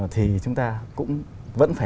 thì chúng ta cũng vẫn phải